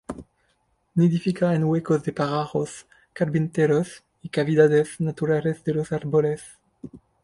Nidifica en huecos de pájaros carpinteros y cavidades naturales de los árboles.